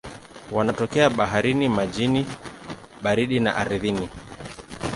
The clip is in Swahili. Wanatokea baharini, majini baridi na ardhini.